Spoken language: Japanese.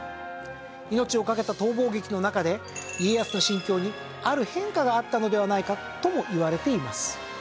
命を懸けた逃亡劇の中で家康の心境にある変化があったのではないかともいわれています。